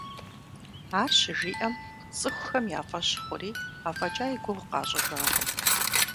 Ар щыжиӀэм, цӀыхухэм я фӀэщ хъури, афӀэкӀа и гугъу къащӀыжакъым.